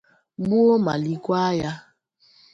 gbuo ma likwaa ya